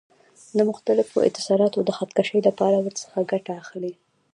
د مختلفو اتصالاتو د خط کشۍ لپاره ورڅخه ګټه اخلي.